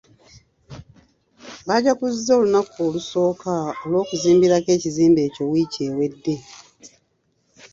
Baajaguzza olunaku olusooka olw'okuzimbirako ekizimbe ekyo wiiki ewedde.